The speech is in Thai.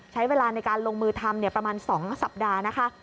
ใช้เวลาในการลงมือทำประมาณ๒สัปดาห์นะคะ